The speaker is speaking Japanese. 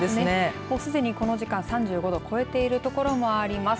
もうすでにこの時間３５度を超えているところもあります。